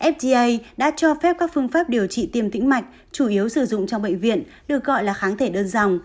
fda đã cho phép các phương pháp điều trị tiêm tĩnh mạch chủ yếu sử dụng trong bệnh viện được gọi là kháng thể đơn dòng